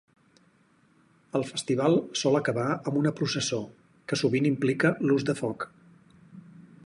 El festival sol acabar amb una processó, que sovint implica l'ús de foc.